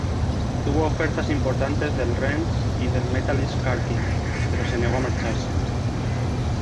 Tuvo ofertas importantes del Rennes y del Metalist Kharkiv pero se negó a marcharse.